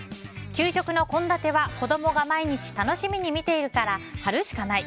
給食の献立は、子どもが毎日楽しみに見ているから貼るしかない。